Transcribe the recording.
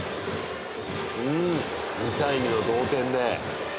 ２対２の同点で。